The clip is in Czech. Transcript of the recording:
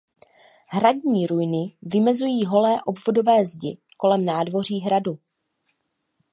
Hradní ruiny vymezují holé obvodové zdi kolem nádvoří hradu.